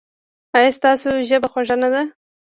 ایا ستاسو ژبه خوږه نه ده؟